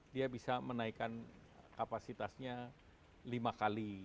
dia bisa menaikkan kapasitasnya lima kali